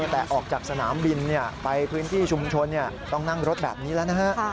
แต่ออกจากสนามบินไปพื้นที่ชุมชนต้องนั่งรถแบบนี้แล้วนะฮะ